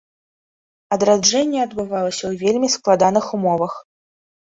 Адраджэнне адбывалася ў вельмі складаных умовах.